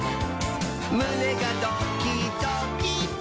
むねがドキドキ！」